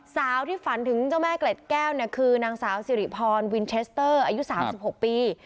สาวที่ฝันถึงเจ้าแม่เกล็ดแก้วเนี่ยคือนางสาวสิริพรวินเทสเตอร์อายุ๓๖ปี